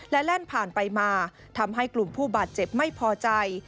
และแล่นผ่านไปมาทำให้กลุ่มผู้บาดเจ็บไม่พอใจ